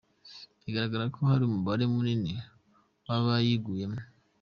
Biragaragara ko hari umubare munini w’abayiguyemo.